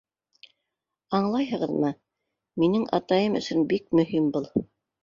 -Аңлайһығыҙмы, минең атайым өсөн бик мөһим был.